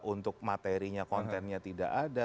untuk materinya kontennya tidak ada